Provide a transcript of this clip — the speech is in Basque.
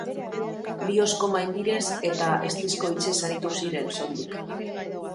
Lihozko maindirez eta eztizko hitzez aritu ziren, soilik.